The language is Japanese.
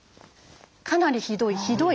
「かなりひどい」「ひどい」